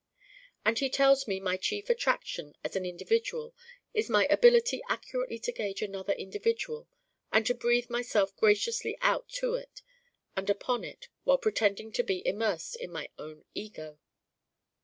And he tells me my chief attraction as an individual is my ability accurately to gauge another individual and to breathe myself graciously out to it and upon it while pretending to be immersed in my own ego.